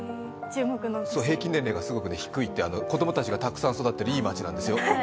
平均年齢がすごい低いっていう、子供たちがさくさん育ってる、いい街なんですよ。